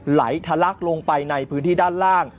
ไหลทะลักลงไปในพื้นที่ด้านล่าง